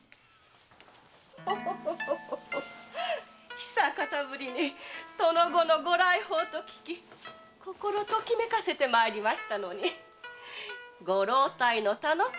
久方ぶりに殿御のご来訪と聞き心ときめかせて参りましたのにご老体の田之倉様にございましたか。